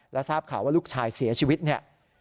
และทราบข่าวว่าลูกชายเสียชีวิตเนี่ย